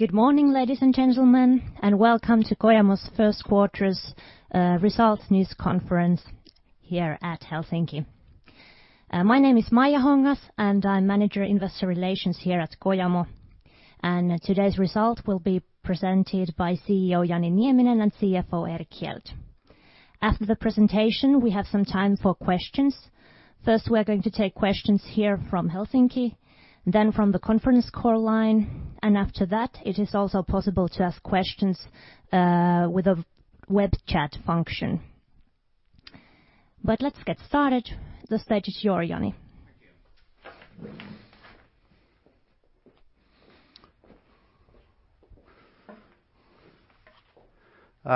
Good morning, ladies and gentlemen, and welcome to Kojamo's first quarter's results news conference here at Helsinki. My name is Maija Hongas, and I'm Manager Investor Relations here at Kojamo. Today's result will be presented by CEO Jani Nieminen and CFO Erik Hjelt. After the presentation, we have some time for questions. First, we're going to take questions here from Helsinki, then from the conference call line, and after that, it is also possible to ask questions with a web chat function. Let's get started. The stage is yours, Jani. Thank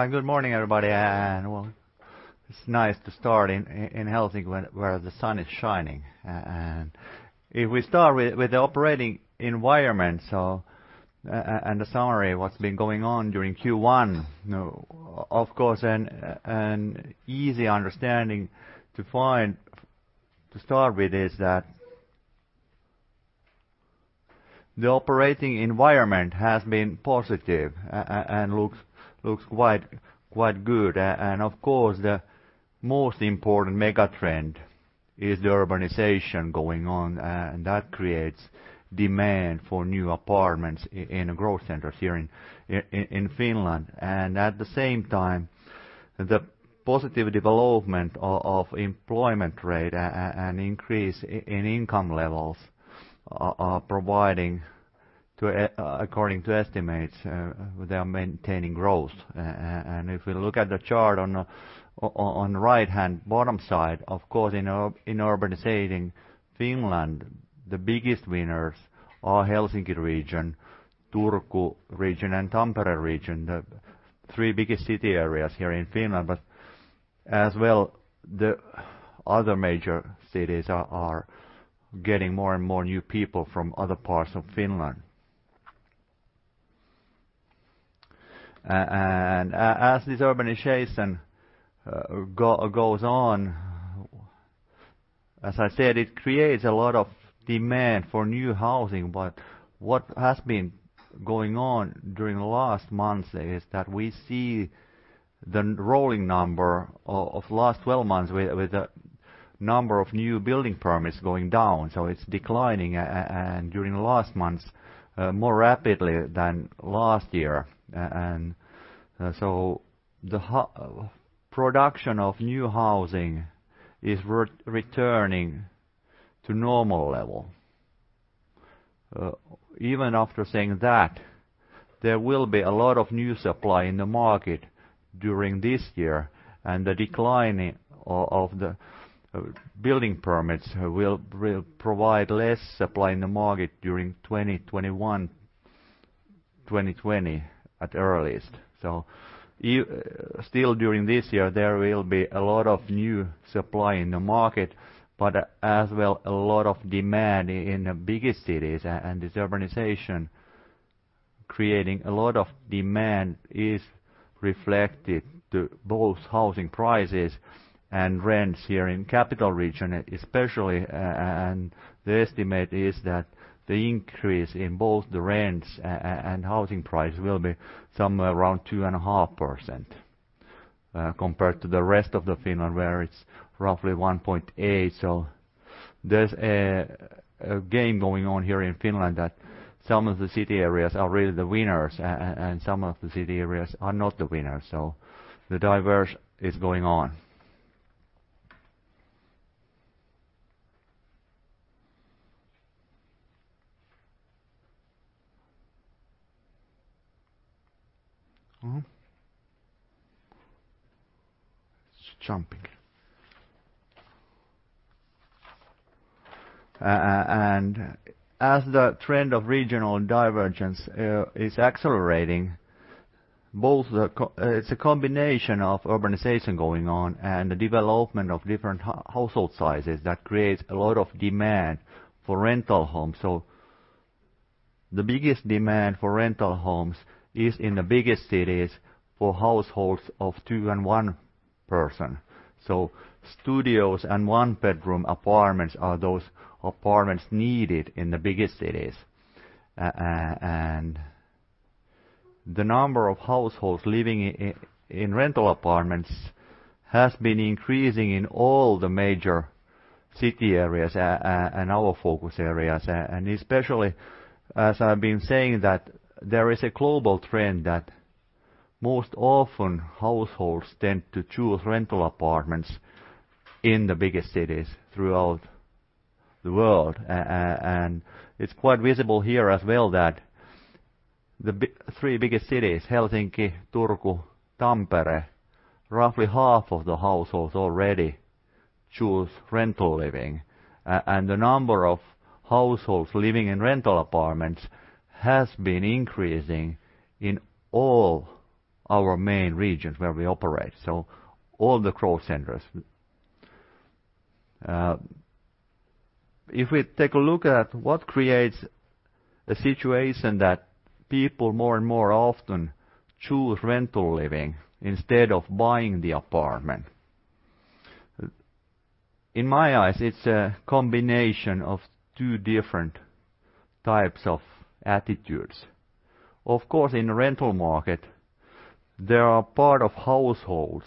you. Good morning, everybody. It's nice to start in Helsinki, where the sun is shining. If we start with the operating environment and the summary of what's been going on during Q1, of course, an easy understanding to start with is that the operating environment has been positive and looks quite good. Of course, the most important megatrend is the urbanization going on, and that creates demand for new apartments in growth centers here in Finland. At the same time, the positive development of employment rate and increase in income levels are providing, according to estimates, they are maintaining growth. If we look at the chart on the right-hand bottom side, of course, in urbanization Finland, the biggest winners are Helsinki region, Turku region, and Tampere region, the three biggest city areas here in Finland. As well, the other major cities are getting more and more new people from other parts of Finland. As this urbanization goes on, as I said, it creates a lot of demand for new housing. What has been going on during the last months is that we see the rolling number of last 12 months with the number of new building permits going down. It is declining during the last months more rapidly than last year. The production of new housing is returning to normal level. Even after saying that, there will be a lot of new supply in the market during this year, and the declining of the building permits will provide less supply in the market during 2021, 2020 at the earliest. Still, during this year, there will be a lot of new supply in the market, but as well, a lot of demand in the biggest cities. This urbanization creating a lot of demand is reflected to both housing prices and rents here in the capital region especially. The estimate is that the increase in both the rents and housing prices will be somewhere around 2.5% compared to the rest of Finland, where it's roughly 1.8%. There's a game going on here in Finland that some of the city areas are really the winners, and some of the city areas are not the winners. The divergence is going on. It's jumping. As the trend of regional divergence is accelerating, it's a combination of urbanization going on and the development of different household sizes that creates a lot of demand for rental homes. The biggest demand for rental homes is in the biggest cities for households of two and one person. Studios and one-bedroom apartments are those apartments needed in the biggest cities. The number of households living in rental apartments has been increasing in all the major city areas and our focus areas. Especially, as I've been saying, there is a global trend that most often households tend to choose rental apartments in the biggest cities throughout the world. It's quite visible here as well that the three biggest cities, Helsinki, Turku, Tampere, roughly half of the households already choose rental living. The number of households living in rental apartments has been increasing in all our main regions where we operate, so all the growth centers. If we take a look at what creates a situation that people more and more often choose rental living instead of buying the apartment, in my eyes, it's a combination of two different types of attitudes. Of course, in the rental market, there are part of households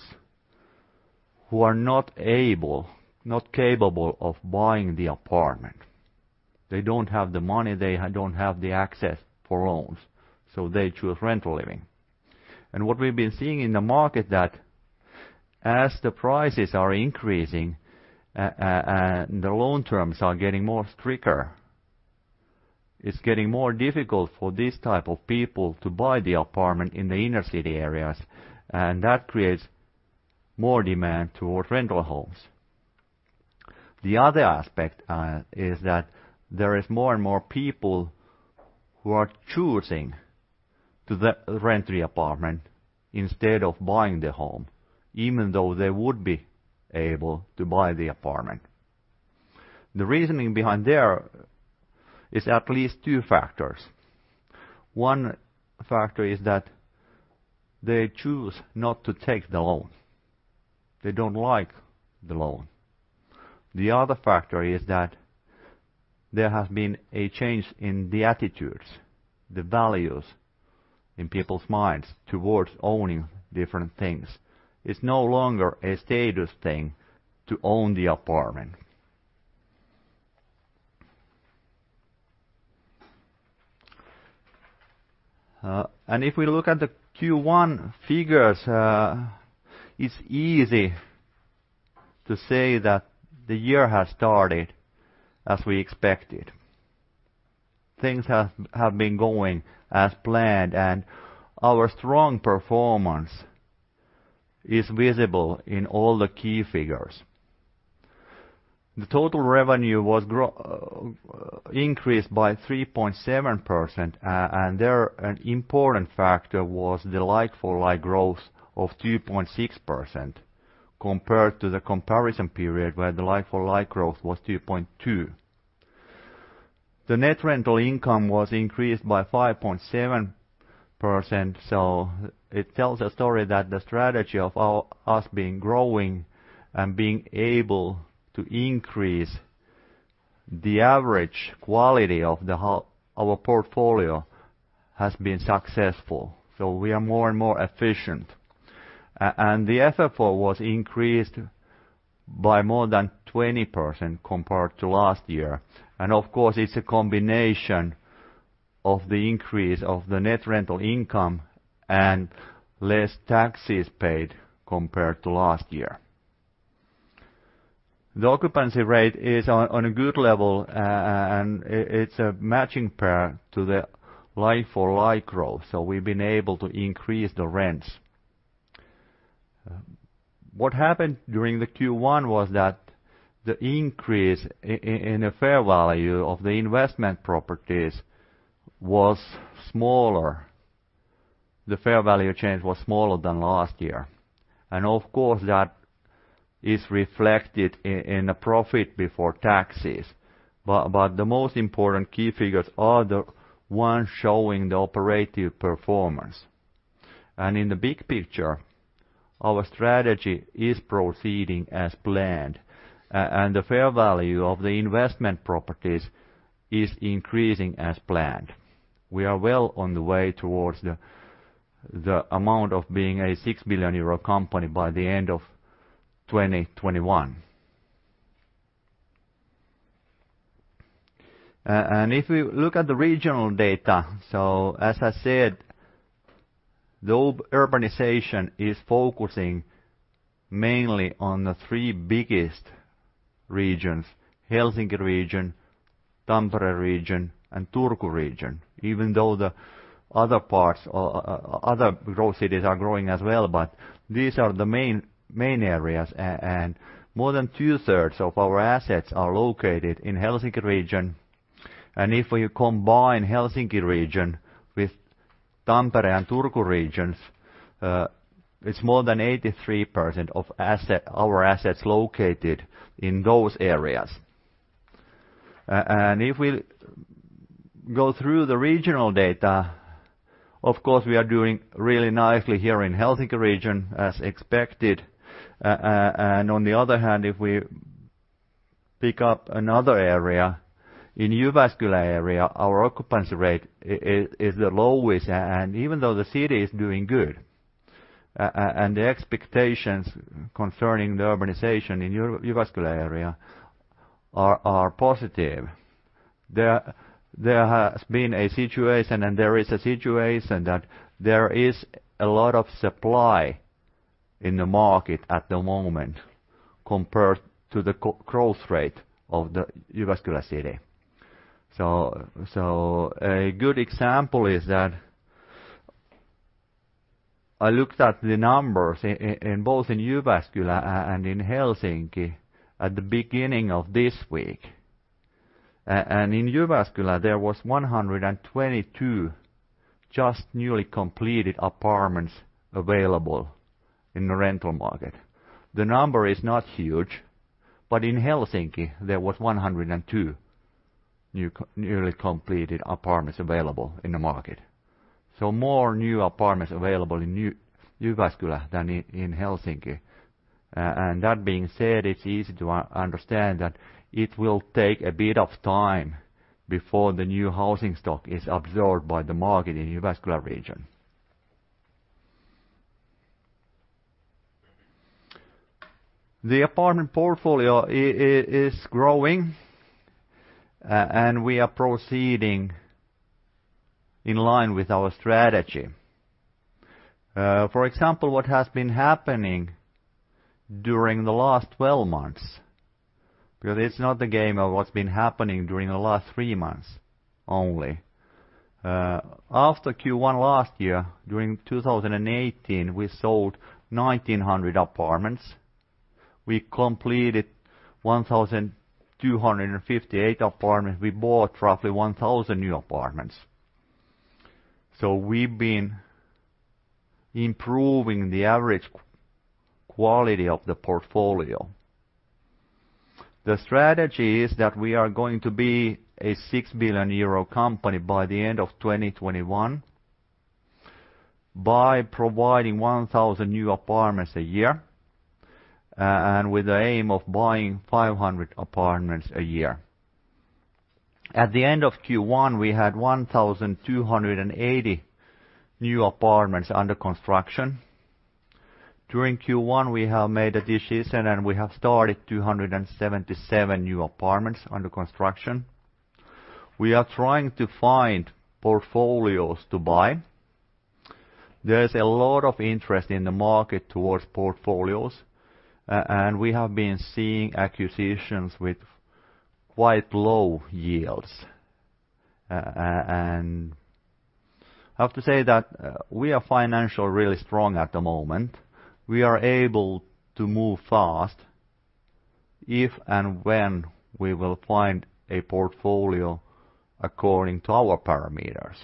who are not capable of buying the apartment. They don't have the money. They don't have the access for loans, so they choose rental living. What we've been seeing in the market is that as the prices are increasing and the loan terms are getting more stricter, it's getting more difficult for this type of people to buy the apartment in the inner city areas, and that creates more demand towards rental homes. The other aspect is that there are more and more people who are choosing to rent the apartment instead of buying the home, even though they would be able to buy the apartment. The reasoning behind there is at least two factors. One factor is that they choose not to take the loan. They do not like the loan. The other factor is that there has been a change in the attitudes, the values in people's minds towards owning different things. It is no longer a status thing to own the apartment. If we look at the Q1 figures, it is easy to say that the year has started as we expected. Things have been going as planned, and our strong performance is visible in all the key figures. The total revenue was increased by 3.7%, and there an important factor was the like-for-like growth of 2.6% compared to the comparison period where the like-for-like growth was 2.2%. The net rental income was increased by 5.7%. It tells a story that the strategy of us being growing and being able to increase the average quality of our portfolio has been successful. We are more and more efficient. The FFO was increased by more than 20% compared to last year. Of course, it's a combination of the increase of the net rental income and less taxes paid compared to last year. The occupancy rate is on a good level, and it's a matching pair to the like-for-like growth. We've been able to increase the rents. What happened during the Q1 was that the increase in the fair value of the investment properties was smaller. The fair value change was smaller than last year. Of course, that is reflected in the profit before taxes. The most important key figures are the ones showing the operating performance. In the big picture, our strategy is proceeding as planned, and the fair value of the investment properties is increasing as planned. We are well on the way towards the amount of being a 6 billion euro company by the end of 2021. If we look at the regional data, as I said, the urbanization is focusing mainly on the three biggest regions: Helsinki region, Tampere region, and Turku region. Even though the other growth cities are growing as well, these are the main areas. More than two-thirds of our assets are located in the Helsinki region. If we combine the Helsinki region with Tampere and Turku regions, it is more than 83% of our assets located in those areas. If we go through the regional data, of course, we are doing really nicely here in the Helsinki region, as expected. On the other hand, if we pick up another area, in the Jyväskylä area, our occupancy rate is the lowest. Even though the city is doing good, the expectations concerning the urbanization in the Jyväskylä area are positive. There has been a situation, and there is a situation that there is a lot of supply in the market at the moment compared to the growth rate of the Jyväskylä city. A good example is that I looked at the numbers both in Jyväskylä and in Helsinki at the beginning of this week. In Jyväskylä, there were 122 just newly completed apartments available in the rental market. The number is not huge, but in Helsinki, there were 102 newly completed apartments available in the market. More new apartments are available in Jyväskylä than in Helsinki. That being said, it's easy to understand that it will take a bit of time before the new housing stock is absorbed by the market in the Jyväskylä region. The apartment portfolio is growing, and we are proceeding in line with our strategy. For example, what has been happening during the last 12 months, because it's not the game of what's been happening during the last three months only. After Q1 last year, during 2018, we sold 1,900 apartments. We completed 1,258 apartments. We bought roughly 1,000 new apartments. We've been improving the average quality of the portfolio. The strategy is that we are going to be a 6 billion euro company by the end of 2021 by providing 1,000 new apartments a year with the aim of buying 500 apartments a year. At the end of Q1, we had 1,280 new apartments under construction. During Q1, we have made a decision, and we have started 277 new apartments under construction. We are trying to find portfolios to buy. There's a lot of interest in the market towards portfolios, and we have been seeing acquisitions with quite low yields. I have to say that we are financially really strong at the moment. We are able to move fast if and when we will find a portfolio according to our parameters.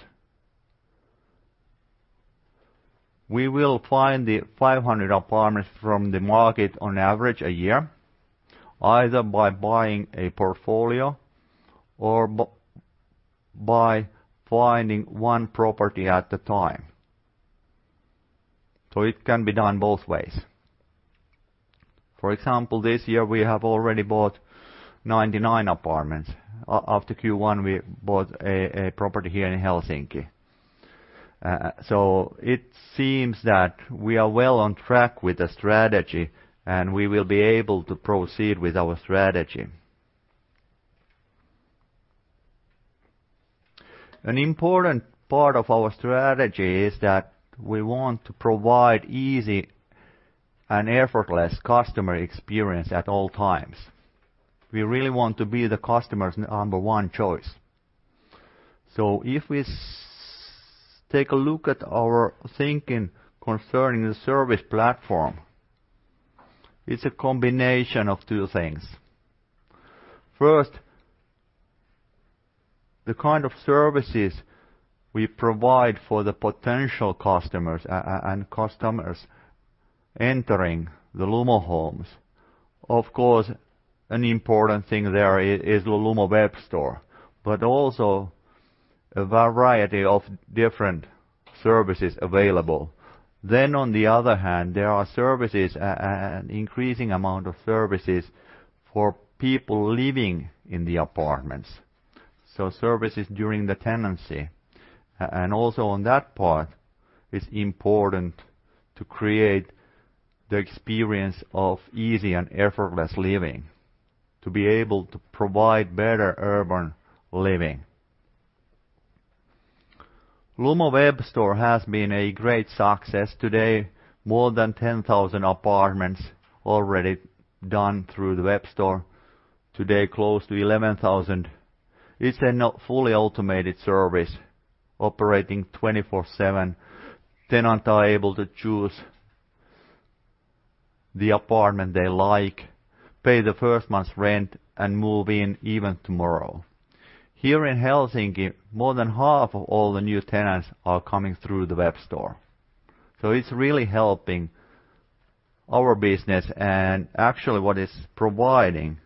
We will find the 500 apartments from the market on average a year, either by buying a portfolio or by finding one property at a time. It can be done both ways. For example, this year, we have already bought 99 apartments. After Q1, we bought a property here in Helsinki. It seems that we are well on track with the strategy, and we will be able to proceed with our strategy. An important part of our strategy is that we want to provide an easy and effortless customer experience at all times. We really want to be the customer's number one choice. If we take a look at our thinking concerning the service platform, it's a combination of two things. First, the kind of services we provide for the potential customers and customers entering the Lumo homes. Of course, an important thing there is the Lumo web store, but also a variety of different services available. Then, on the other hand, there are services, an increasing amount of services for people living in the apartments. Services during the tenancy. Also, on that part, it's important to create the experience of easy and effortless living, to be able to provide better urban living. Lumo web store has been a great success. Today, more than 10,000 apartments are already done through the web store. Today, close to 11,000. It's a fully automated service operating 24/7. Tenants are able to choose the apartment they like, pay the first month's rent, and move in even tomorrow. Here in Helsinki, more than half of all the new tenants are coming through the web store. It's really helping our business. Actually, what it's providing,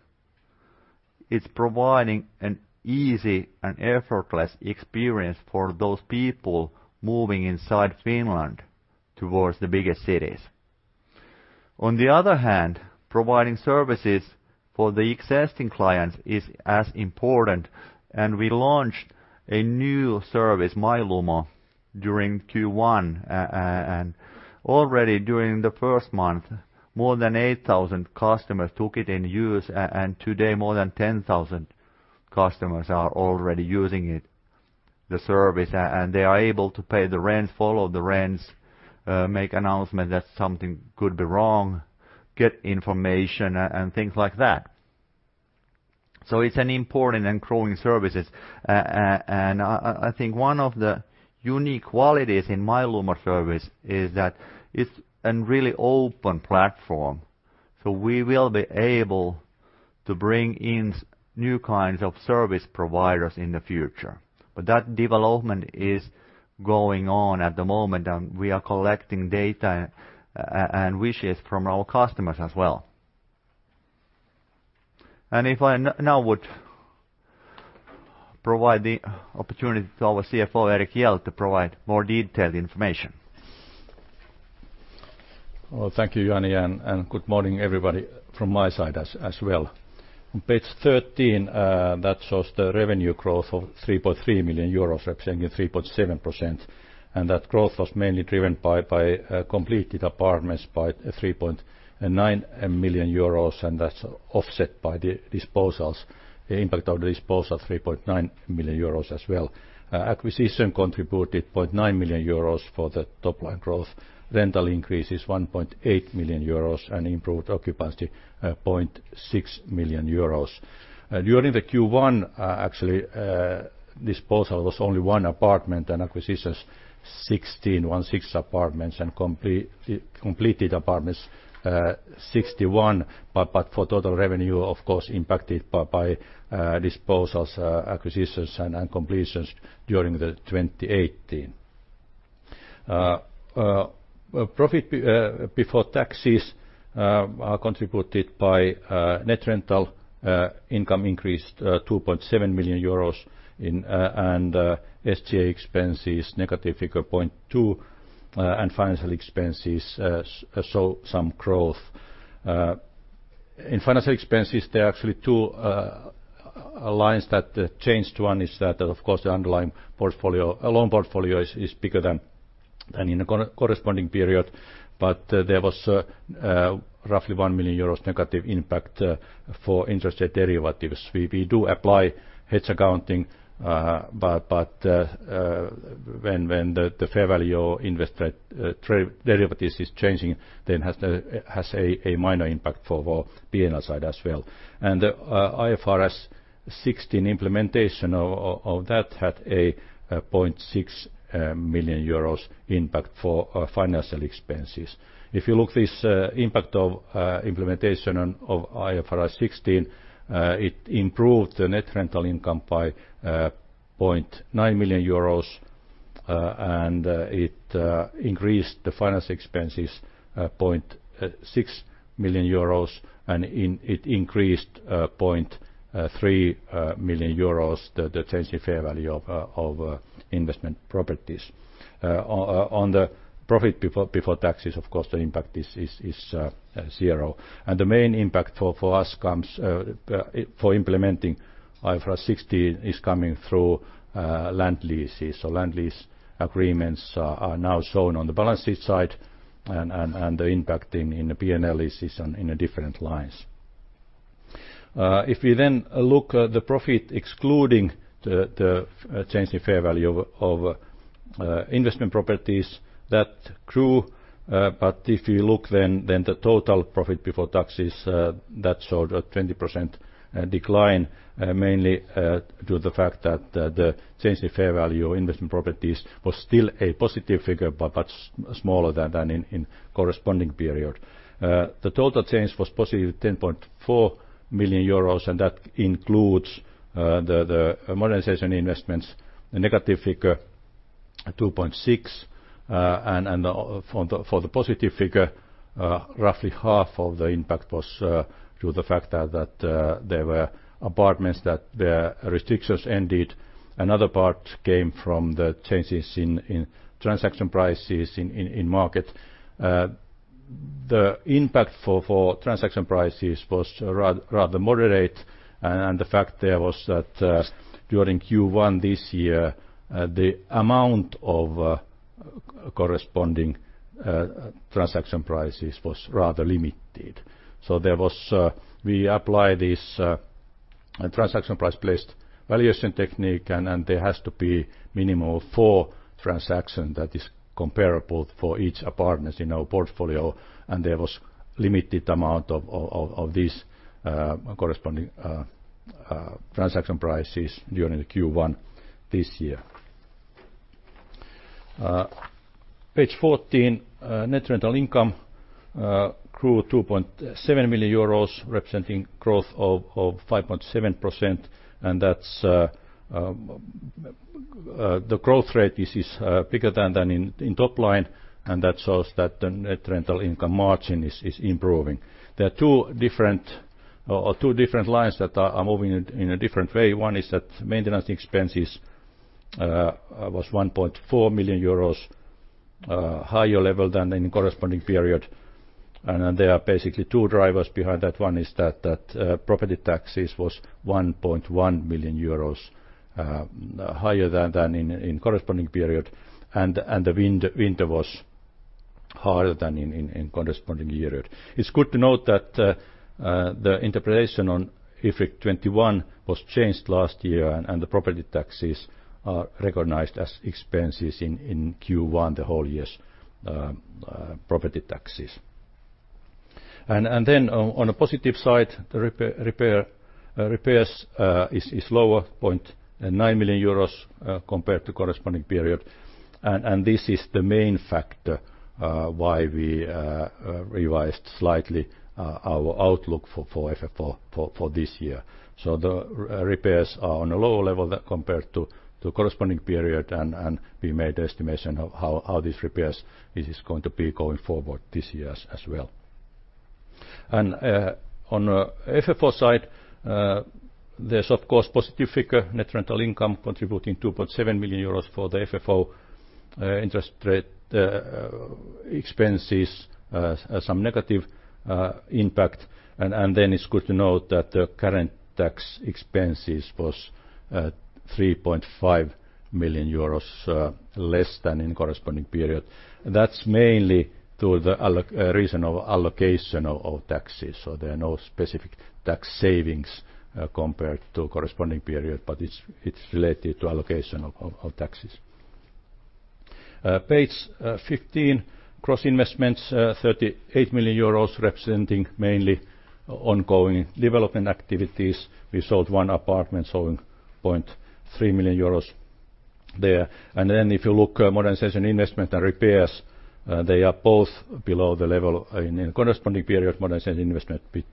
it's providing an easy and effortless experience for those people moving inside Finland towards the biggest cities. On the other hand, providing services for the existing clients is as important. We launched a new service, MyLumo, during Q1. Already during the first month, more than 8,000 customers took it in use. Today, more than 10,000 customers are already using the service. They are able to pay the rent, follow the rents, make announcements that something could be wrong, get information, and things like that. It's an important and growing service. I think one of the unique qualities in MyLumo service is that it's a really open platform. We will be able to bring in new kinds of service providers in the future. That development is going on at the moment, and we are collecting data and wishes from our customers as well. If I now would provide the opportunity to our CFO, Erik Hjelt, to provide more detailed information. Thank you, Jani. Good morning, everybody, from my side as well. On page 13, that shows the revenue growth of 3.3 million euros, representing 3.7%. That growth was mainly driven by completed apartments by 3.9 million euros, and that's offset by the disposals. The impact of the disposal, 3.9 million euros as well. Acquisition contributed 0.9 million euros for the top line growth. Rental increase is 1.8 million euros and improved occupancy 0.6 million euros. During the Q1, actually, disposal was only one apartment, and acquisitions 16, 16 apartments, and completed apartments 61. For total revenue, of course, impacted by disposals, acquisitions, and completions during 2018. Profit before taxes contributed by net rental income increased 2.7 million euros, and SGA expenses -0.2 million, and financial expenses saw some growth. In financial expenses, there are actually two lines that changed. One is that, of course, the underlying loan portfolio is bigger than in the corresponding period, but there was roughly 1 million euros negative impact for interest rate derivatives. We do apply hedge accounting, but when the fair value or interest rate derivatives is changing, then it has a minor impact for the P&L side as well. IFRS 16 implementation of that had a 0.6 million euros impact for financial expenses. If you look at this impact of implementation of IFRS 16, it improved the net rental income by 0.9 million euros, and it increased the financial expenses by 0.6 million euros, and it increased 0.3 million euros, the change in fair value of investment properties. On the profit before taxes, of course, the impact is zero. The main impact for us for implementing IFRS 16 is coming through land leases. Land lease agreements are now shown on the balance sheet side, and the impact in P&L leases is in the different lines. If we then look at the profit excluding the change in fair value of investment properties, that grew. If you look then at the total profit before taxes, that showed a 20% decline, mainly due to the fact that the change in fair value of investment properties was still a positive figure, but smaller than in the corresponding period. The total change was +10.4 million euros, and that includes the modernization investments, the negative figure -2.6 million. For the positive figure, roughly half of the impact was due to the fact that there were apartments that their restrictions ended. Another part came from the changes in transaction prices in the market. The impact for transaction prices was rather moderate, and the fact there was that during Q1 this year, the amount of corresponding transaction prices was rather limited. We applied this transaction price-based valuation technique, and there has to be a minimum of four transactions that are comparable for each apartment in our portfolio. There was a limited amount of these corresponding transaction prices during Q1 this year. Page 14, net rental income grew 2.7 million euros, representing a growth of 5.7%. The growth rate is bigger than in top line, and that shows that the net rental income margin is improving. There are two different lines that are moving in a different way. One is that maintenance expenses was 1.4 million euros, a higher level than in the corresponding period. There are basically two drivers behind that. One is that property taxes was 1.1 million euros, higher than in the corresponding period, and the winter was harder than in the corresponding period. It's good to note that the interpretation on IFRIC 21 was changed last year, and the property taxes are recognized as expenses in Q1, the whole year's property taxes. On the positive side, repairs are lower, 0.9 million euros compared to the corresponding period. This is the main factor why we revised slightly our outlook for FFO for this year. The repairs are on a lower level compared to the corresponding period, and we made an estimation of how these repairs are going to be going forward this year as well. On the FFO side, there's, of course, a positive figure, net rental income contributing 2.7 million euros for the FFO. Interest rate expenses have some negative impact. It's good to note that the current tax expenses were 3.5 million euros less than in the corresponding period. That's mainly due to the reason of allocation of taxes. There are no specific tax savings compared to the corresponding period, but it's related to allocation of taxes. Page 15, gross investments, 38 million euros, representing mainly ongoing development activities. We sold one apartment, showing 0.3 million euros there. If you look at modernization investment and repairs, they are both below the level in the corresponding period, modernization investment with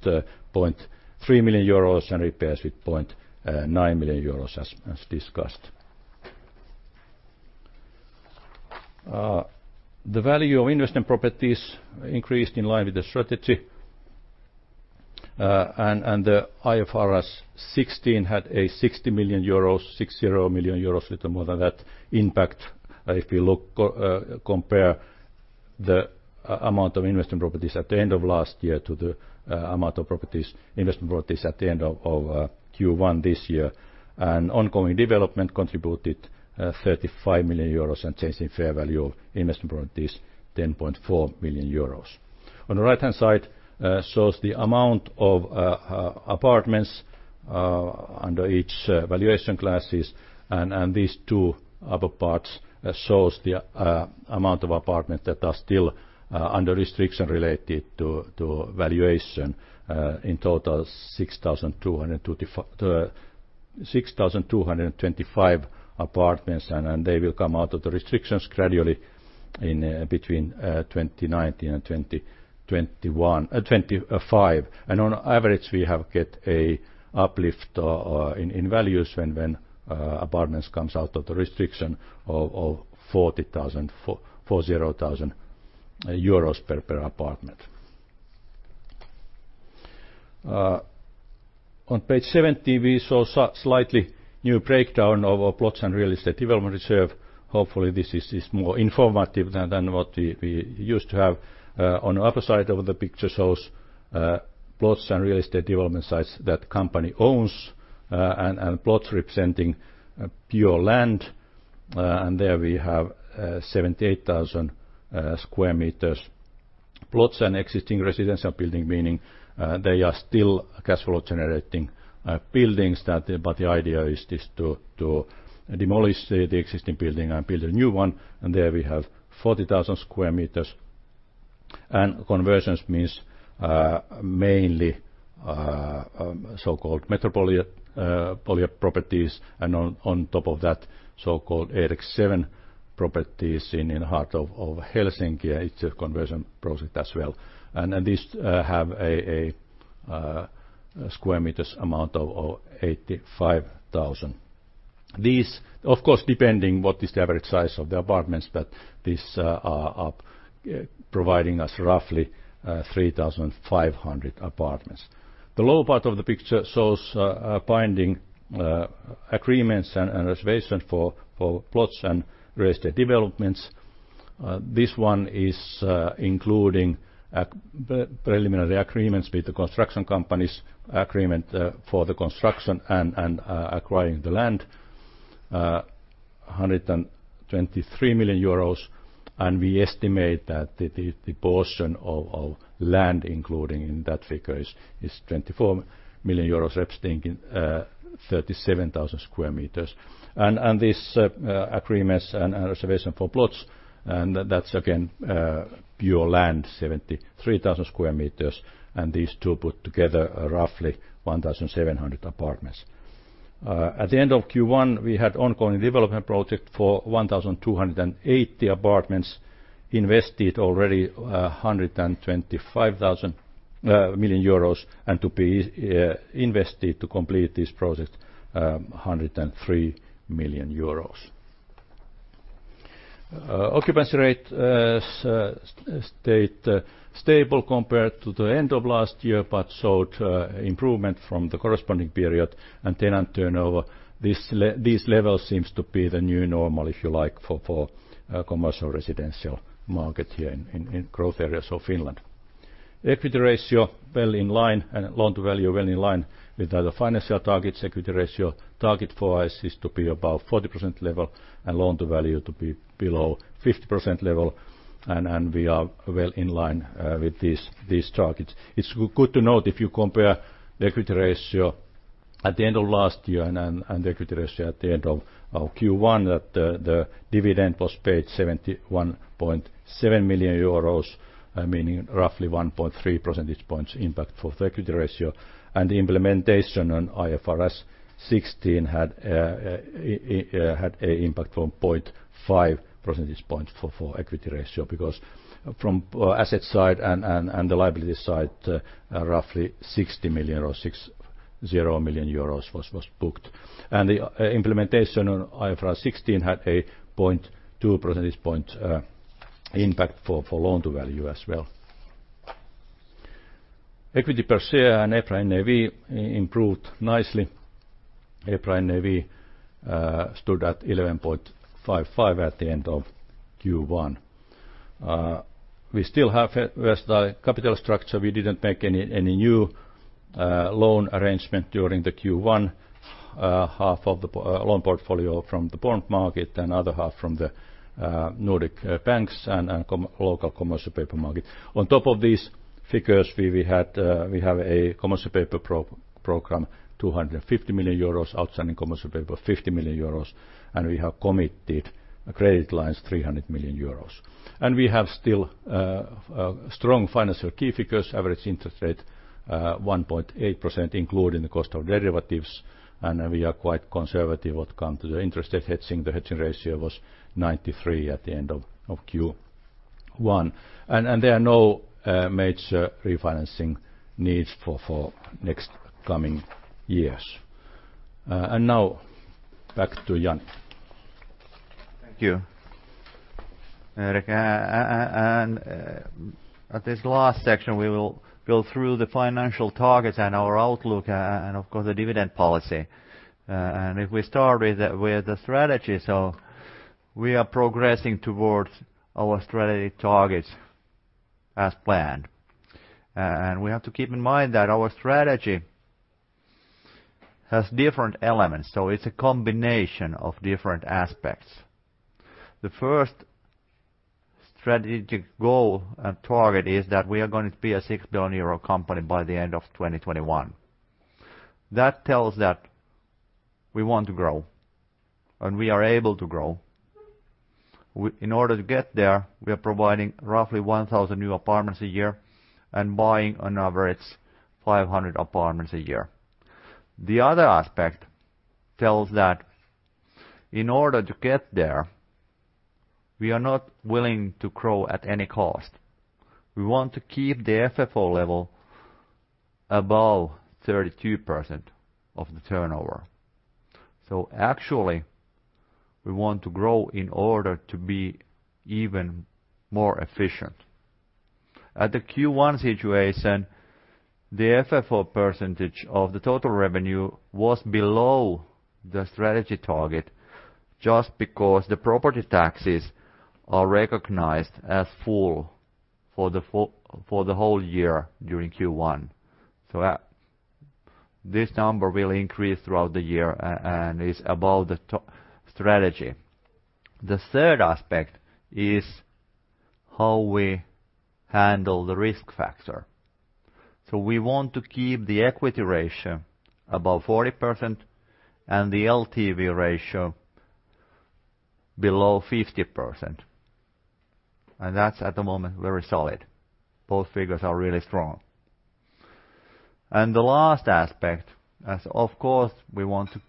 0.3 million euros and repairs with 0.9 million euros, as discussed. The value of investment properties increased in line with the strategy. IFRS 16 had a 60 million euros, a little more than that impact if you compare the amount of investment properties at the end of last year to the amount of investment properties at the end of Q1 this year. Ongoing development contributed 35 million euros, and change in fair value of investment properties, 10.4 million euros. On the right-hand side, it shows the amount of apartments under each valuation classes, and these two upper parts show the amount of apartments that are still under restriction related to valuation. In total, 6,225 apartments, and they will come out of the restrictions gradually between 2019 and 2025. On average, we have got an uplift in values when apartments come out of the restriction of 40,000 euros per apartment. On page 17, we saw a slightly new breakdown of plots and real estate development reserve. Hopefully, this is more informative than what we used to have. On the upper side of the picture shows plots and real estate development sites that the company owns, and plots representing pure land. There we have 78,000 sq m of plots and existing residential buildings, meaning they are still cash flow-generating buildings. The idea is to demolish the existing building and build a new one. There we have 40,000 sq m. Conversions mean mainly so-called metropolia properties, and on top of that, so-called Eerik 7 properties in the heart of Helsinki. It's a conversion project as well. These have a sq m amount of 85,000. These, of course, depending on what is the average size of the apartments, but these are providing us roughly 3,500 apartments. The lower part of the picture shows binding agreements and reservations for plots and real estate developments. This one is including preliminary agreements with the construction companies, agreement for the construction and acquiring the land, 123 million euros. We estimate that the portion of land included in that figure is 24 million euros, representing 37,000 sq m. These agreements and reservations for plots, that's again pure land, 73,000 sq m, and these two put together roughly 1,700 apartments. At the end of Q1, we had ongoing development projects for 1,280 apartments, invested already 125 million euros, and to be invested to complete this project, 103 million euros. Occupancy rate stayed stable compared to the end of last year, but showed improvement from the corresponding period and tenant turnover. These levels seem to be the new normal, if you like, for commercial residential market here in growth areas of Finland. Equity ratio well in line and loan to value well in line with the financial targets. Equity ratio target for us is to be above 40% level and loan to value to be below 50% level, and we are well in line with these targets. It's good to note if you compare the equity ratio at the end of last year and the equity ratio at the end of Q1, that the dividend was paid 71.7 million euros, meaning roughly 1.3 percentage points impact for the equity ratio. Implementation on IFRS 16 had an impact of 0.5 percentage points for equity ratio because from the asset side and the liability side, roughly 60 million was booked. The implementation on IFRS 16 had a 0.2 percentage point impact for loan to value as well. Equity per share and EPRA NAV improved nicely. EPRA NAV stood at 11.55 at the end of Q1. We still have a versatile capital structure. We didn't make any new loan arrangement during Q1. Half of the loan portfolio from the bond market and the other half from the Nordic banks and local commercial paper market. On top of these figures, we have a commercial paper program, 250 million euros, outstanding commercial paper, 50 million euros, and we have committed credit lines, 300 million euros. We have still strong financial key figures, average interest rate 1.8%, including the cost of derivatives, and we are quite conservative when it comes to the interest rate hedging. The hedging ratio was 93% at the end of Q1. There are no major refinancing needs for the next coming years. Now, back to Jani. Thank you. At this last section, we will go through the financial targets and our outlook and, of course, the dividend policy. If we start with the strategy, we are progressing towards our strategy targets as planned. We have to keep in mind that our strategy has different elements, so it's a combination of different aspects. The first strategic goal and target is that we are going to be a 6 billion euro company by the end of 2021. That tells that we want to grow and we are able to grow. In order to get there, we are providing roughly 1,000 new apartments a year and buying an average of 500 apartments a year. The other aspect tells that in order to get there, we are not willing to grow at any cost. We want to keep the FFO level above 32% of the turnover. Actually, we want to grow in order to be even more efficient. At the Q1 situation, the FFO percentage of the total revenue was below the strategy target just because the property taxes are recognized as full for the whole year during Q1. This number will increase throughout the year and is above the strategy. The third aspect is how we handle the risk factor. We want to keep the equity ratio above 40% and the LTV ratio below 50%. That is, at the moment, very solid. Both figures are really strong. The last aspect is, of course, we want to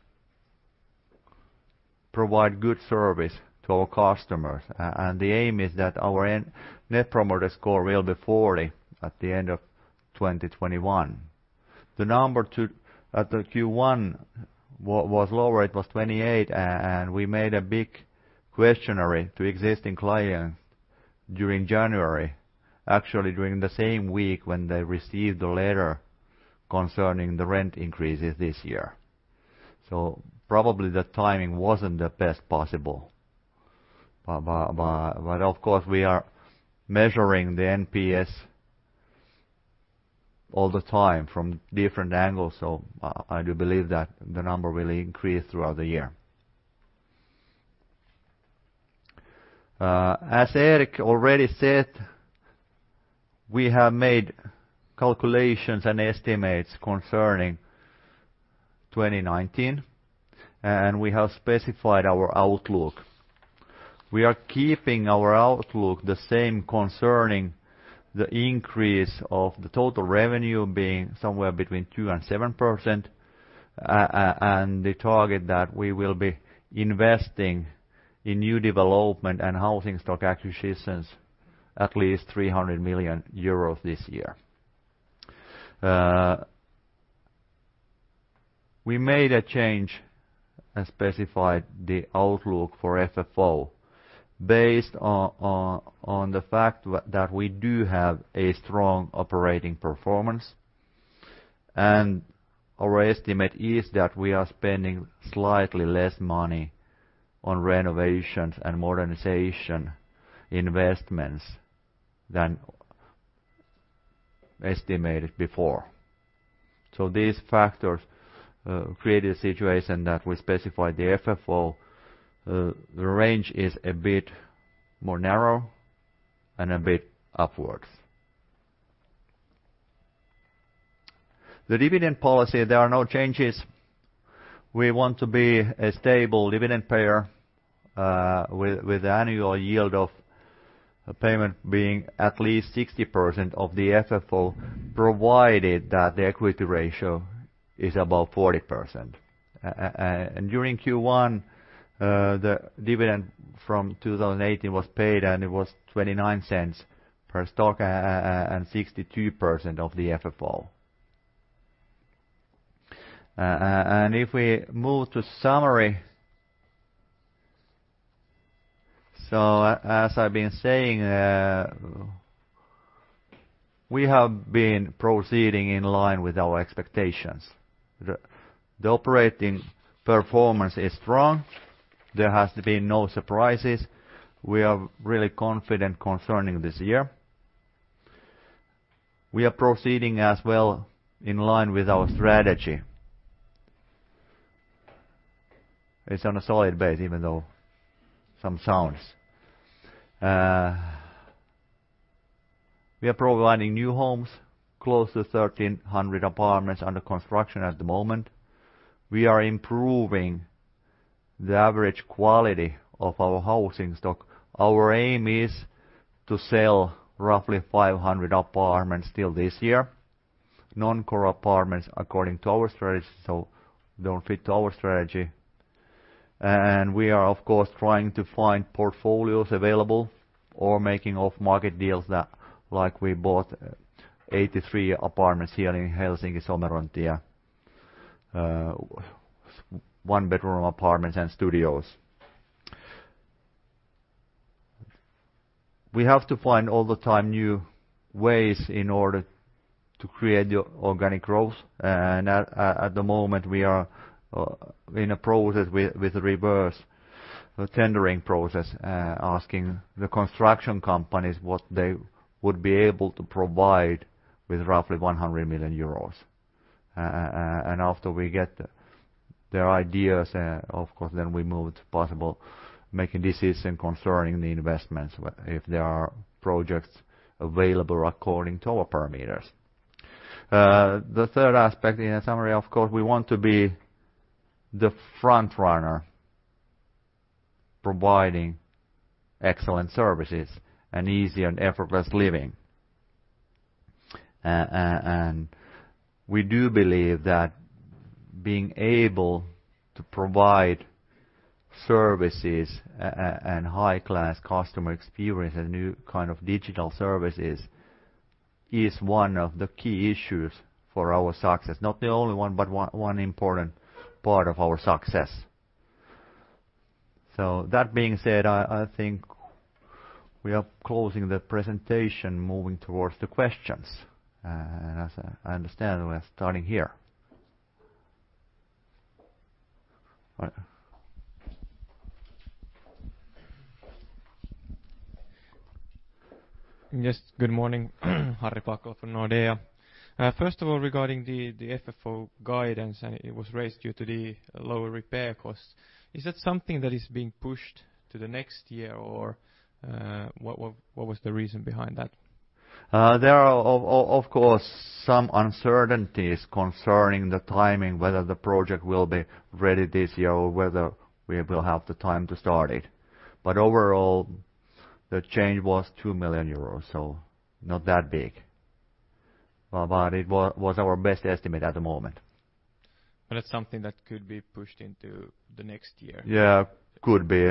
provide good service to our customers, and the aim is that our net promoter score will be 40 at the end of 2021. The number at Q1 was lower; it was 28, and we made a big questionnaire to existing clients during January, actually during the same week when they received the letter concerning the rent increases this year. Probably the timing was not the best possible. Of course, we are measuring the NPS all the time from different angles, so I do believe that the number will increase throughout the year. As Erik already said, we have made calculations and estimates concerning 2019, and we have specified our outlook. We are keeping our outlook the same concerning the increase of the total revenue being somewhere between 2% and 7%, and the target that we will be investing in new development and housing stock acquisitions at least 300 million euros this year. We made a change and specified the outlook for FFO based on the fact that we do have a strong operating performance, and our estimate is that we are spending slightly less money on renovations and modernization investments than estimated before. These factors created a situation that we specified the FFO range is a bit more narrow and a bit upwards. The dividend policy, there are no changes. We want to be a stable dividend payer with annual yield of payment being at least 60% of the FFO, provided that the equity ratio is above 40%. During Q1, the dividend from 2018 was paid, and it was 0.29 per stock and 62% of the FFO. If we move to summary, as I've been saying, we have been proceeding in line with our expectations. The operating performance is strong. There have been no surprises. We are really confident concerning this year. We are proceeding as well in line with our strategy. It's on a solid base, even though some sounds. We are providing new homes, close to 1,300 apartments under construction at the moment. We are improving the average quality of our housing stock. Our aim is to sell roughly 500 apartments till this year. Non-core apartments, according to our strategy, don't fit our strategy. We are, of course, trying to find portfolios available or making off-market deals like we bought 83 apartments here in Helsinki, Somerontie, one-bedroom apartments and studios. We have to find all the time new ways in order to create organic growth. At the moment, we are in a process with a reverse tendering process, asking the construction companies what they would be able to provide with roughly 100 million euros. After we get their ideas, of course, then we move to possible making decisions concerning the investments if there are projects available according to our parameters. The third aspect in a summary, of course, we want to be the front runner providing excellent services and easy and effortless living. We do believe that being able to provide services and high-class customer experience and new kind of digital services is one of the key issues for our success. Not the only one, but one important part of our success. That being said, I think we are closing the presentation, moving towards the questions. As I understand, we are starting here. Good morning, Harri Paakkola from Nordea. First of all, regarding the FFO guidance, it was raised due to the lower repair costs. Is that something that is being pushed to the next year, or what was the reason behind that? There are, of course, some uncertainties concerning the timing, whether the project will be ready this year or whether we will have the time to start it. Overall, the change was 2 million euros, so not that big. It was our best estimate at the moment. That is something that could be pushed into the next year? Yeah, could be.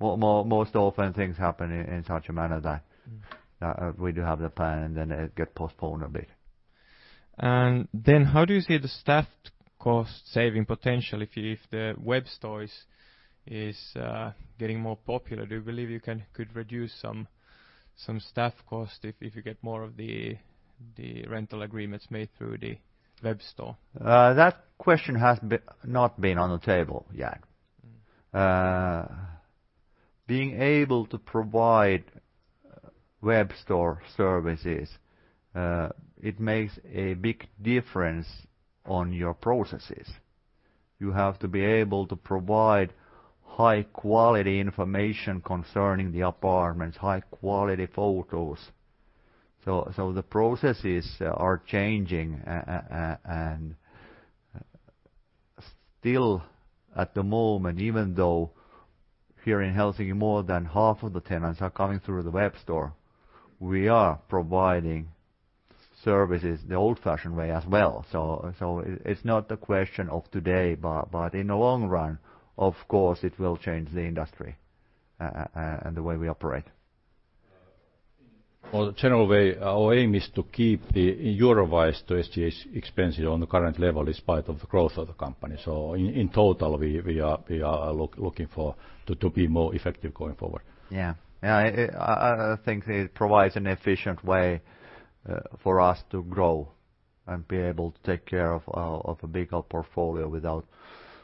Most often things happen in such a manner that we do have the plan, and then it gets postponed a bit. How do you see the staff cost saving potential if the web store is getting more popular? Do you believe you could reduce some staff cost if you get more of the rental agreements made through the web store? That question has not been on the table yet. Being able to provide web store services, it makes a big difference on your processes. You have to be able to provide high-quality information concerning the apartments, high-quality photos. The processes are changing, and still at the moment, even though here in Helsinki more than half of the tenants are coming through the web store, we are providing services the old-fashioned way as well. It's not the question of today, but in the long run, of course, it will change the industry and the way we operate. Our aim is to keep the euro-wise to SGA expenses on the current level despite the growth of the company. In total, we are looking to be more effective going forward. I think it provides an efficient way for us to grow and be able to take care of a bigger portfolio without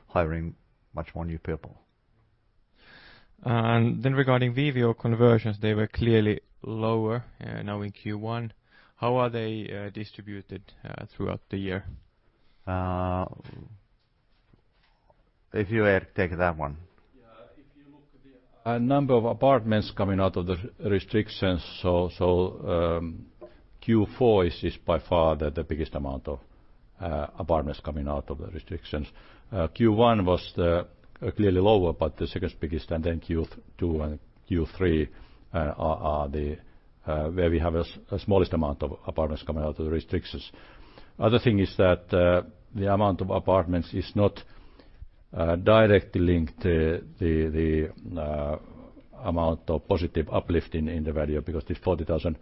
hiring much more new people. Regarding VVO conversions, they were clearly lower now in Q1. How are they distributed throughout the year? If you take that one. If you look at the number of apartments coming out of the restrictions, Q4 is by far the biggest amount of apartments coming out of the restrictions. Q1 was clearly lower, but the second biggest, and then Q2 and Q3 are where we have the smallest amount of apartments coming out of the restrictions. The other thing is that the amount of apartments is not directly linked to the amount of positive uplift in the value because the 40,000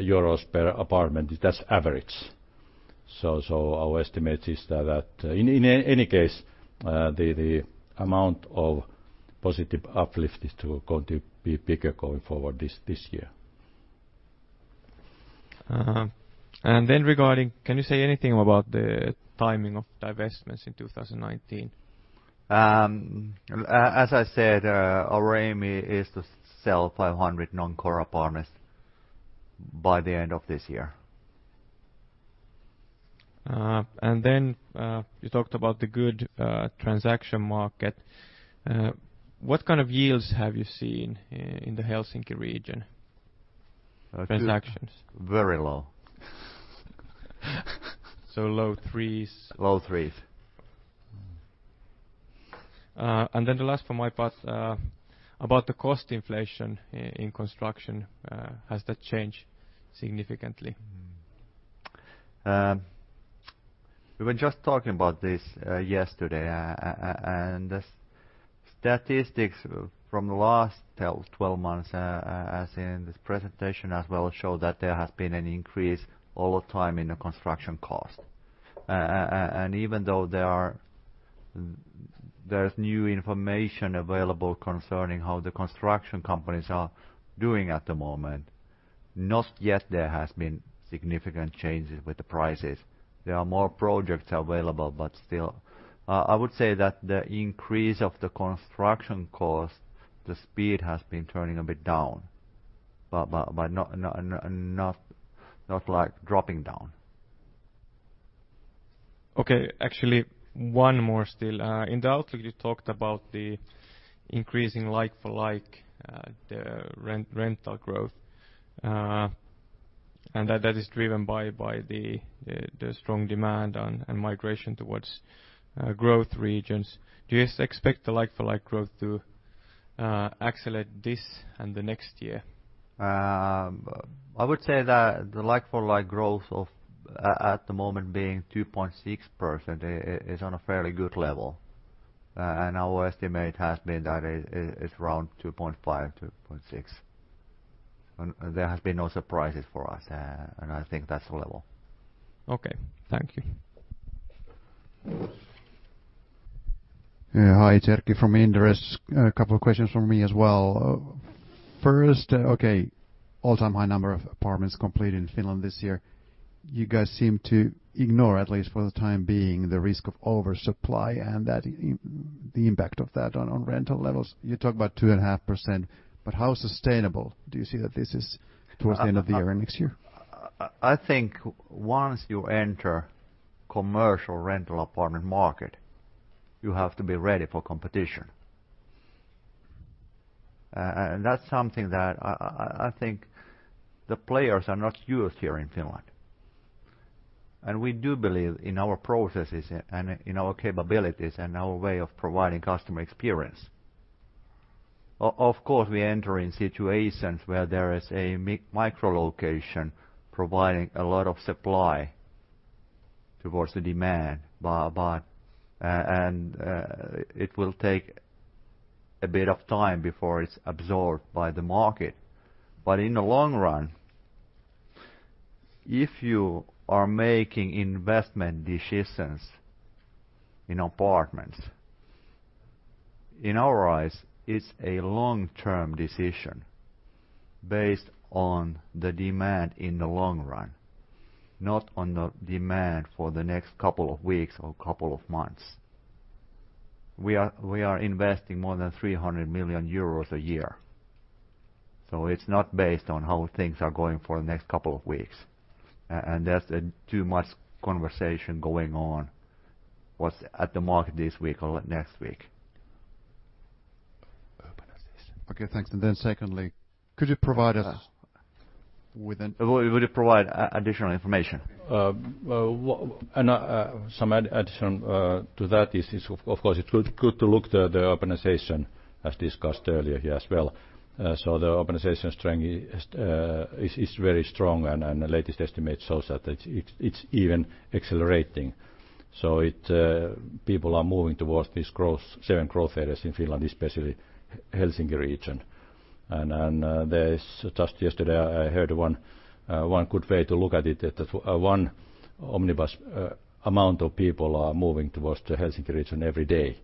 euros per apartment, that's average. Our estimate is that, in any case, the amount of positive uplift is going to be bigger going forward this year. Regarding, can you say anything about the timing of divestments in 2019? As I said, our aim is to sell 500 non-core apartments by the end of this year. You talked about the good transaction market. What kind of yields have you seen in the Helsinki region? Transactions? Very low. Low threes? Low threes. The last for my part about the cost inflation in construction. Has that changed significantly? We were just talking about this yesterday, and the statistics from the last 12 months, as in this presentation as well, show that there has been an increase all the time in the construction cost. Even though there's new information available concerning how the construction companies are doing at the moment, not yet there have been significant changes with the prices. There are more projects available, but still, I would say that the increase of the construction cost, the speed has been turning a bit down, but not like dropping down. Okay, actually one more still. In the outlook, you talked about the increasing like-for-like rental growth, and that is driven by the strong demand and migration towards growth regions. Do you expect the like-for-like growth to accelerate this and the next year? I would say that the like-for-like growth at the moment being 2.6% is on a fairly good level, and our estimate has been that it's around 2.5%-2.6%. There have been no surprises for us, and I think that's the level. Okay, thank you. Hi, Erkki from Inderes. A couple of questions from me as well. First, okay, all-time high number of apartments completed in Finland this year. You guys seem to ignore, at least for the time being, the risk of oversupply and the impact of that on rental levels. You talk about 2.5%, but how sustainable do you see that this is towards the end of the year and next year? I think once you enter the commercial rental apartment market, you have to be ready for competition. That's something that I think the players are not used to here in Finland. We do believe in our processes and in our capabilities and our way of providing customer experience. Of course, we enter in situations where there is a micro-location providing a lot of supply towards the demand, but it will take a bit of time before it is absorbed by the market. In the long run, if you are making investment decisions in apartments, in our eyes, it is a long-term decision based on the demand in the long run, not on the demand for the next couple of weeks or couple of months. We are investing more than 300 million euros a year, so it is not based on how things are going for the next couple of weeks. There is too much conversation going on about what is at the market this week or next week. Okay, thanks. Then secondly, could you provide us with an? Would you provide additional information? Some addition to that is, of course, it's good to look at the organization as discussed earlier here as well. The organization strength is very strong, and the latest estimate shows that it's even accelerating. People are moving towards these seven growth areas in Finland, especially the Helsinki region. Just yesterday, I heard one good way to look at it, that one omnibus amount of people are moving towards the Helsinki region every day.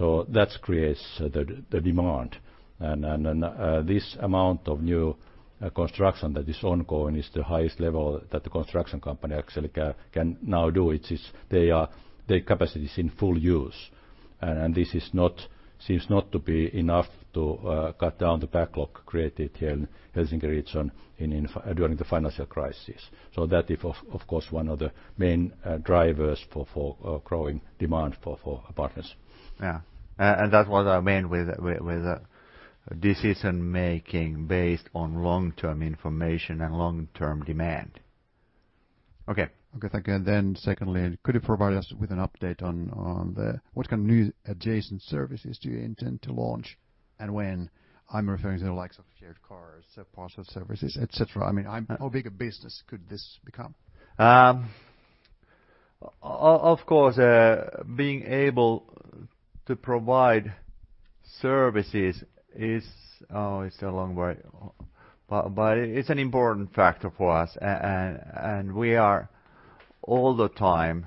That creates the demand. This amount of new construction that is ongoing is the highest level that the construction company actually can now do. Their capacity is in full use, and this seems not to be enough to cut down the backlog created here in the Helsinki region during the financial crisis. That is, of course, one of the main drivers for growing demand for apartments. That was our main decision-making based on long-term information and long-term demand. Okay, thank you. Then secondly, could you provide us with an update on what kind of new adjacent services do you intend to launch and when? I'm referring to the likes of shared cars, parts of services, etc. How big a business could this become? Of course, being able to provide services is a long way, but it's an important factor for us. We are all the time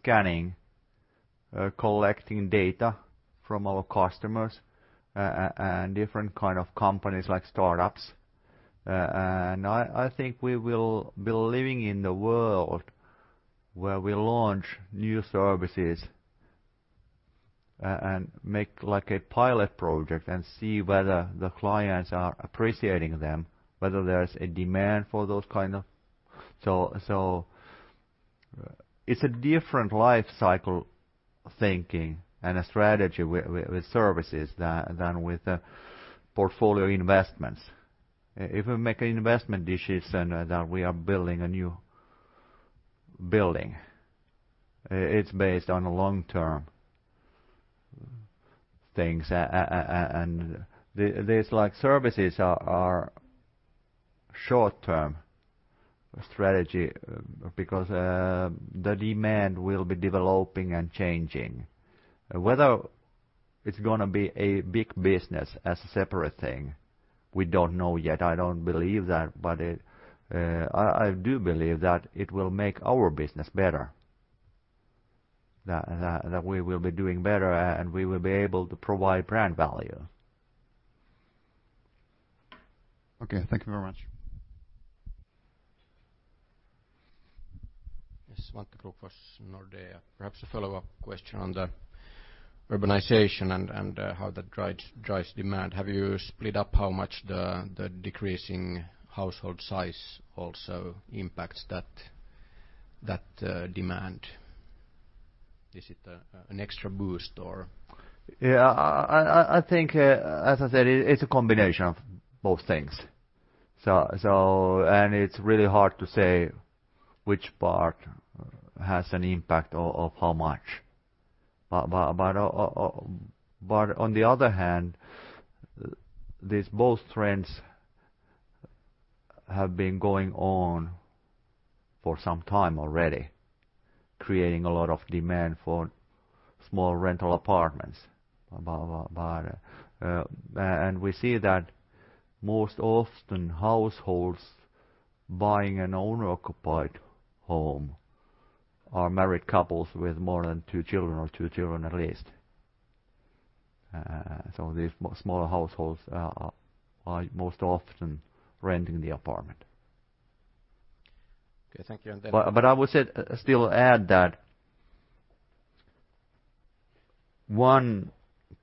scanning, collecting data from our customers and different kinds of companies like startups. I think we will be living in the world where we launch new services and make a pilot project and see whether the clients are appreciating them, whether there's a demand for those kinds of services. It's a different lifecycle thinking and a strategy with services than with portfolio investments. If we make an investment decision that we are building a new building, it's based on long-term things. Services are a short-term strategy because the demand will be developing and changing. Whether it's going to be a big business as a separate thing, we don't know yet. I don't believe that, but I do believe that it will make our business better, that we will be doing better, and we will be able to provide brand value. Okay, thank you very much. Yes, Svante Krokfors, Nordea. Perhaps a follow-up question on the urbanization and how that drives demand. Have you split up how much the decreasing household size also impacts that demand? Is it an extra boost or? Yeah, I think, as I said, it's a combination of both things, and it's really hard to say which part has an impact of how much. On the other hand, these both trends have been going on for some time already, creating a lot of demand for small rental apartments. We see that most often households buying an owner-occupied home are married couples with more than two children or two children at least. These smaller households are most often renting the apartment. Okay, thank you. I would still add that one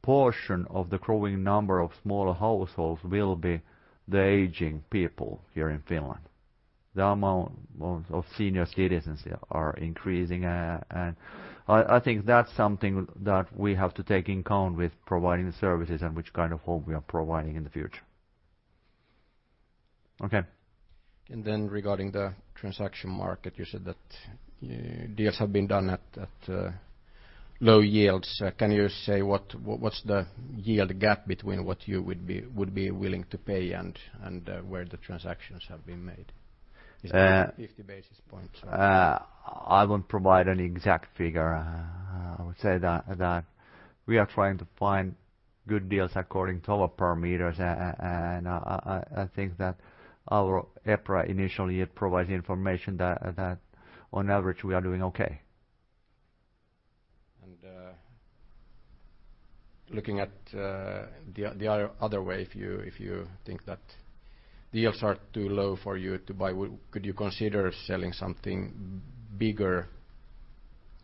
portion of the growing number of smaller households will be the aging people here in Finland. The amount of senior citizens are increasing, and I think that's something that we have to take in account with providing the services and which kind of home we are providing in the future. Okay. Regarding the transaction market, you said that deals have been done at low yields. Can you say what's the yield gap between what you would be willing to pay and where the transactions have been made? Is that 50 basis points? I won't provide an exact figure. I would say that we are trying to find good deals according to our parameters, and I think that our EPRA initially provides information that on average we are doing okay. Looking at the other way, if you think that deals are too low for you to buy, could you consider selling something bigger,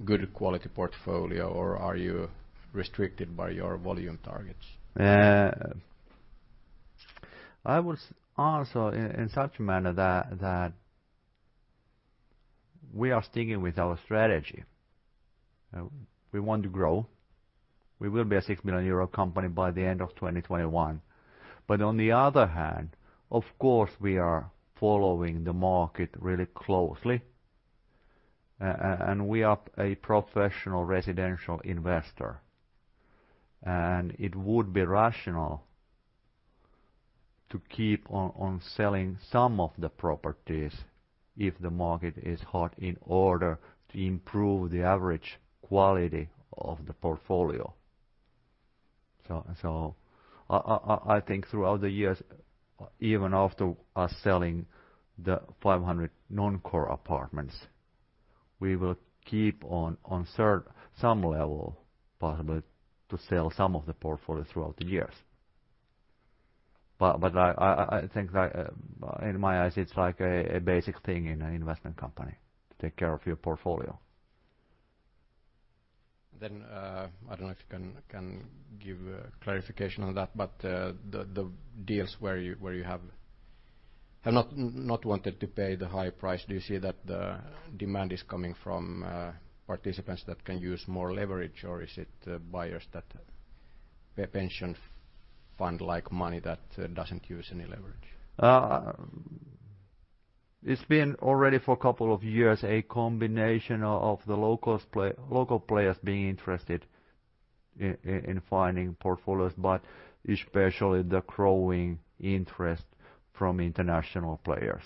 good quality portfolio, or are you restricted by your volume targets? I would answer in such a manner that we are sticking with our strategy. We want to grow. We will be a 6 million euro company by the end of 2021. On the other hand, of course, we are following the market really closely, and we are a professional residential investor. It would be rational to keep on selling some of the properties if the market is hot in order to improve the average quality of the portfolio. I think throughout the years, even after us selling the 500 non-core apartments, we will keep on some level possibly to sell some of the portfolio throughout the years. I think in my eyes it's like a basic thing in an investment company to take care of your portfolio. I don't know if you can give clarification on that, but the deals where you have not wanted to pay the high price, do you see that the demand is coming from participants that can use more leverage, or is it buyers that pay pension fund-like money that doesn't use any leverage? It's been already for a couple of years a combination of the local players being interested in finding portfolios, but especially the growing interest from international players.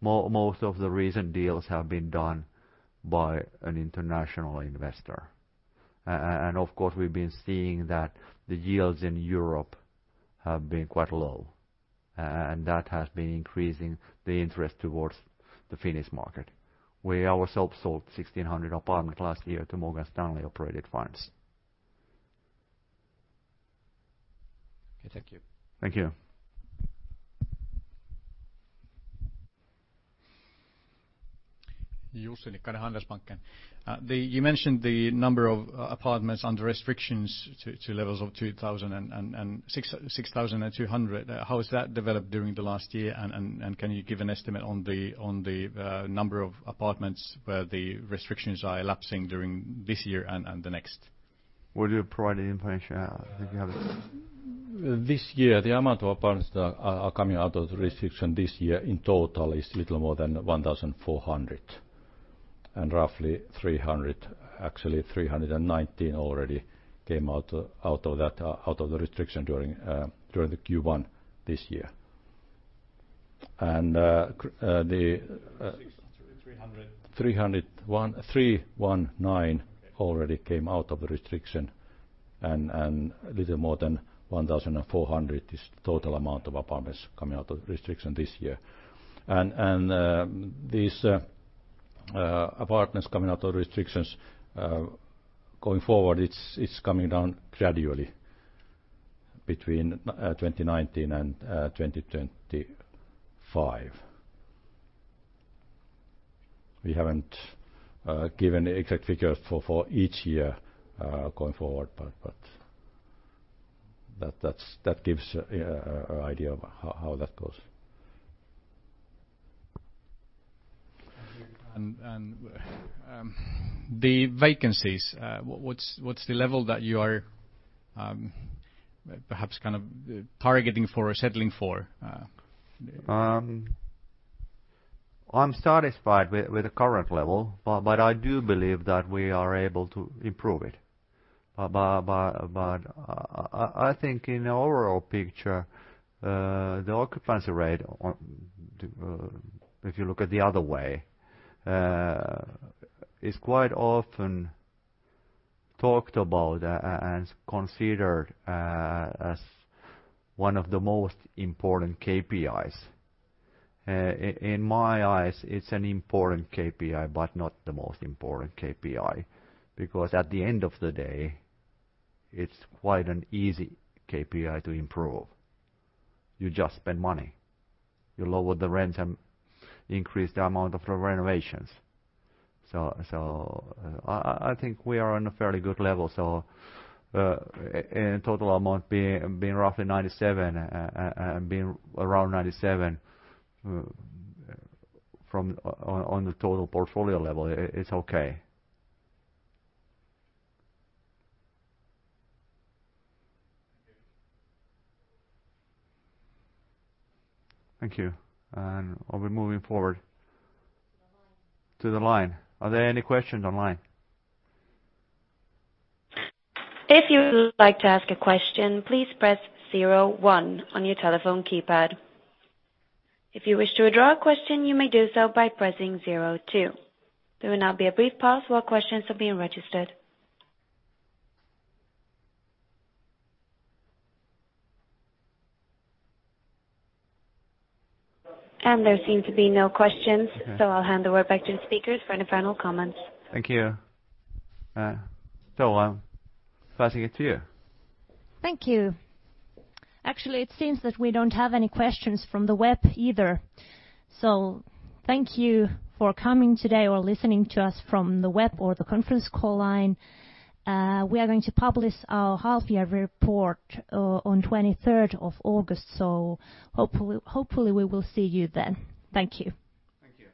Most of the recent deals have been done by an international investor. Of course, we've been seeing that the yields in Europe have been quite low, and that has been increasing the interest towards the Finnish market. We ourselves sold 1,600 apartments last year to Morgan Stanley-operated funds. Okay, thank you. Thank you. Jussi Nikkanen, Handelsbanken. You mentioned the number of apartments under restrictions to levels of 2,000 and 6,200. How has that developed during the last year, and can you give an estimate on the number of apartments where the restrictions are elapsing during this year and the next? Would you provide the information? This year, the amount of apartments that are coming out of the restriction this year in total is a little more than 1,400, and roughly 300, actually 319 already came out of the restriction during the Q1 this year. 319 already came out of the restriction, and a little more than 1,400 is the total amount of apartments coming out of the restriction this year. These apartments coming out of the restrictions going forward, it's coming down gradually between 2019 and 2025. We haven't given exact figures for each year going forward, but that gives an idea of how that goes. The vacancies, what's the level that you are perhaps targeting for or settling for? I'm satisfied with the current level, but I do believe that we are able to improve it. I think in the overall picture, the occupancy rate, if you look at it the other way, is quite often talked about and considered as one of the most important KPIs. In my eyes, it's an important KPI, but not the most important KPI, because at the end of the day, it's quite an easy KPI to improve. You just spend money. You lower the rents and increase the amount of the renovations. I think we are on a fairly good level. In total, the amount being roughly 97, and being around 97 on the total portfolio level, it's okay. Thank you. I'll be moving forward. To the line. Are there any questions online? If you would like to ask a question, please press zero one on your telephone keypad. If you wish to withdraw a question, you may do so by pressing zero two. There will now be a brief pause while questions are being registered. There seems to be no questions, so I'll hand the word back to the speakers for any final comments. Thank you. I'm passing it to you. Thank you. Actually, it seems that we don't have any questions from the web either. Thank you for coming today or listening to us from the web or the conference call line. We are going to publish our half-year report on the 23rd of August, so hopefully we will see you then. Thank you. Thank you.